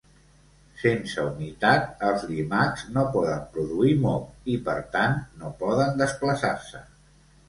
Sense humitat, els llimacs no poden produir moc i per tant no poden desplaçar-se.